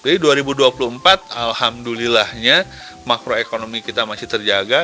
jadi dua ribu dua puluh empat alhamdulillahnya makroekonomi kita masih terjaga